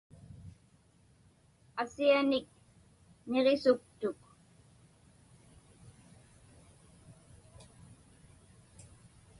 Asianik niġisuktuk.